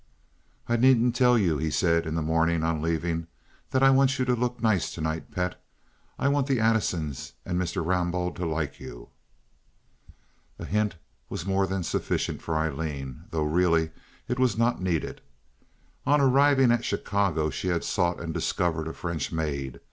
"I needn't tell you," he said, in the morning, on leaving, "that I want you to look nice to night, pet. I want the Addisons and Mr. Rambaud to like you." A hint was more than sufficient for Aileen, though really it was not needed. On arriving at Chicago she had sought and discovered a French maid.